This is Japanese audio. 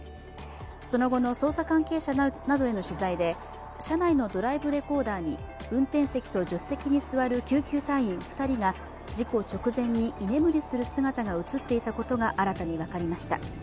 その後の捜査関係者などへの取材で、車内のドライブレコーダーに運転席と助手席に座る救急隊員２人が事故直前に居眠りする姿が映っていたことが新たに分かりました。